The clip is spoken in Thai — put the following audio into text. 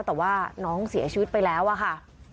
แต่ว่าน้องเสียชีวิตไปแล้วอะค่ะ